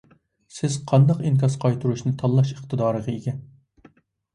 سىز قانداق ئىنكاس قايتۇرۇشنى تاللاش ئىقتىدارىغا ئىگە.